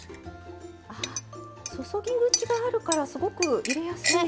あ注ぎ口があるからすごく入れやすい。